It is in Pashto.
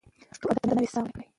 پښتو ادب ته نوې ساه ورکړئ.